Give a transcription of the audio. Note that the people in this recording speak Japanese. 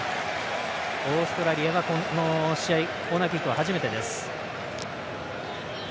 オーストラリア、この試合コーナーキックは初めてです。